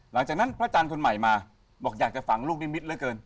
หลังจากนั้นพระอาจารย์คนใหม่มาบอกอยากจะฝังลูกนิมิตเหลือเกิน